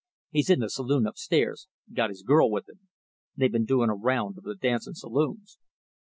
He's in the saloon upstairs got his girl with him. They've been doing a round of the dancing saloons."